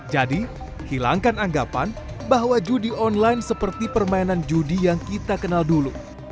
jadi hilangkan anggapan bahwa judi online seperti permainan judi yang kita kenal dulu